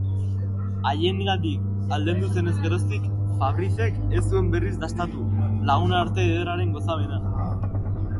Haiengandik aldendu zenez geroztik, Fabricek ez zuen berriz dastatu lagunarte ederraren gozamena.